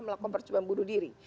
melakukan percobaan bunuh diri